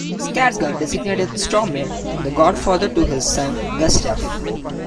Skarsgård designated Stormare the godfather to his son, Gustaf.